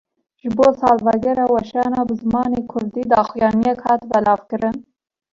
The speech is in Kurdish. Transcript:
Ji bo salvegera weşana bi zimanê Kurdî, daxuyaniyek hat belavkirin